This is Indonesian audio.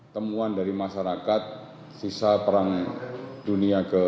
temuan dari masyarakat sisa perang dunia ke dua puluh